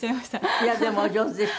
いやでもお上手でした。